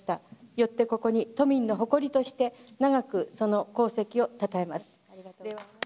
よってここに都民の誇りとして長くその功績をたたえます。